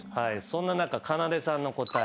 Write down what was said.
そんな中かなでさんの答え。